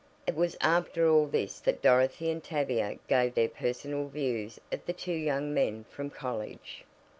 It was after all this that Dorothy and Tavia gave their personal views of the two young men from college.